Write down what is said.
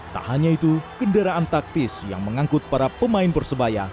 tak hanya itu kendaraan taktis yang mengangkut para pemain persebaya